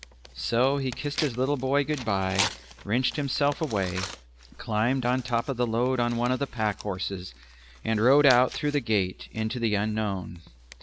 So he kissed his little boy "good bye," wrenched himself away, climbed on top of the load on one of the pack horses and rode out through the gate into the unknown.